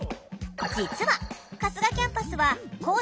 実は春日キャンパスは早っ！